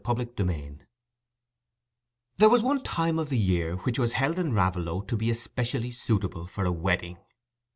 CONCLUSION There was one time of the year which was held in Raveloe to be especially suitable for a wedding.